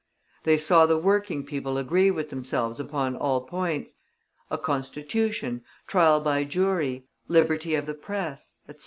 They saw the working people agree with themselves upon all points: a Constitution, Trial by Jury, Liberty of the Press, etc.